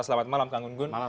selamat malam kang gun gun